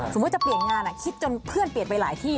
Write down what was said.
จะเปลี่ยนงานคิดจนเพื่อนเปลี่ยนไปหลายที่